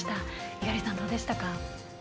猪狩さん、どうでしたか。